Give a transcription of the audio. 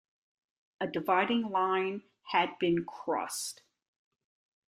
A dividing line had been crossed.